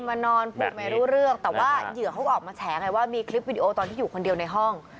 แบบนี้แบบนี้แต่ว่าเหยื่อเขาออกมาแชร์ไงว่ามีคลิปวิดีโอตอนที่อยู่คนเดียวในห้อง